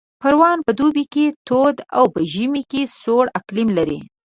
پروان په دوبي کې تود او په ژمي کې سوړ اقلیم لري